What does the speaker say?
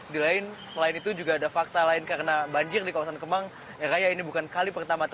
di lain selain itu juga ada fakta lain karena banjir di kawasan kemang raya ini bukan kali pertama